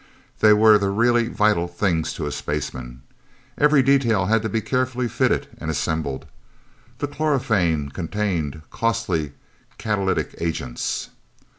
They were the really vital things to a spaceman. Every detail had to be carefully fitted and assembled. The chlorophane contained costly catalytic agents.